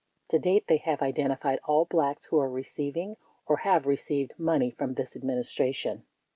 To date, they have identified all Blacks who are receiving, or have received, money from this Admin istration.